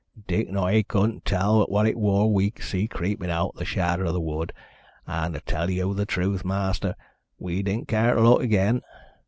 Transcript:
Dick and I couldn't tell what it wor we see creepin' out o' th' shadder o' th' wood, an' to tell yow th' trewth, ma'aster, we didn't care to look agen.